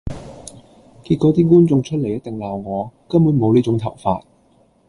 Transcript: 結果啲觀眾出嚟一定鬧我，根本無呢種頭髮！